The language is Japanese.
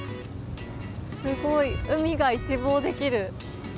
すごい、海が一望できる。